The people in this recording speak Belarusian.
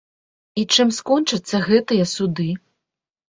І чым скончацца гэтыя суды?